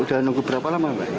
udah nunggu berapa lama